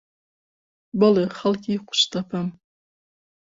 بەڵێ، خەڵکی قوشتەپەم.